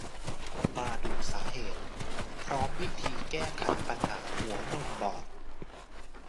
มาดูสาเหตุ พร้อมวิธีแก้ไขปัญหาหัวนมบอด